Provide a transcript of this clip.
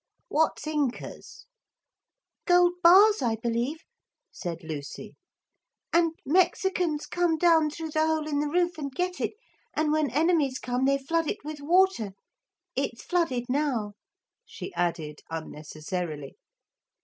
'What's incas?' 'Gold bars, I believe,' said Lucy; 'and Mexicans come down through the hole in the roof and get it, and when enemies come they flood it with water. It's flooded now,' she added unnecessarily.